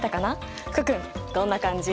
福君どんな感じ？